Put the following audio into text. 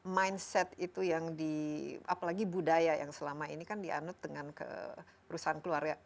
mindset itu yang di apalagi budaya yang selama ini kan dianut dengan perusahaan keluarga